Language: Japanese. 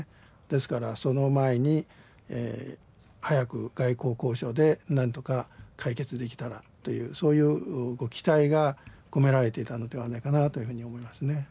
ですからその前に早く外交交渉で何とか解決できたらというそういうご期待が込められていたのではないかなというふうに思いますね。